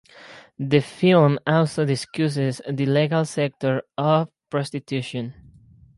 The film also discusses the legal sector of prostitution.